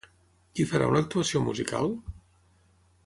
Qui farà una actuació musical?